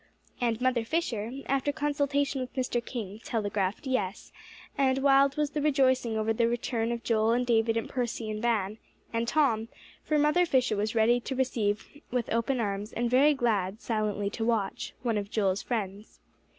'" And Mother Fisher, after consultation with Mr. King, telegraphed "Yes;" and wild was the rejoicing over the return of Joel and David and Percy and Van, and Tom; for Mother Fisher was ready to receive with open arms, and very glad silently to watch, one of Joel's friends.